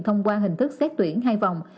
thông qua hình thức xét tuyển hai vòng